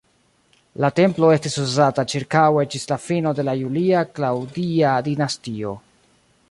La templo estis uzata ĉirkaŭe ĝis la fino de la Julia-Klaŭdia dinastio.